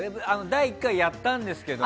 第１回、やったんですけど。